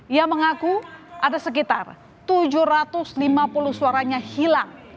ia mengaku ada sekitar tujuh ratus lima puluh suaranya hilang